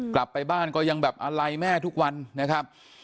กลับไปบ้านก็ยังแบบอะไรแม่ทุกวันนะครับ